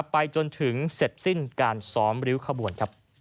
ไปจนถึงเสร็จสิ้นการซ้อมริ้วขบวน